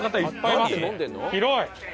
広い。